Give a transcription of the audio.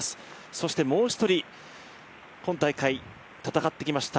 そしてもう一人、今大会戦ってきました